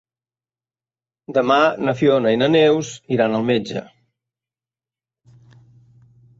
Demà na Fiona i na Neus iran al metge.